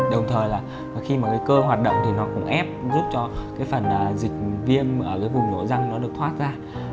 đồng thời là khi mà cái cơ hoạt động thì nó cũng ép giúp cho cái phần dịch viêm ở cái vùng nổ răng nó được thoát ra